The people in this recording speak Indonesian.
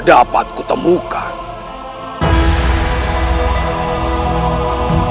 saya harus memiliki kemampuan